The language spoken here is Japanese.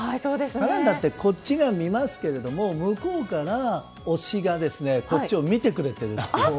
カレンダーってこっち側も見ますけど向こうから推しがこっちを見てくれている。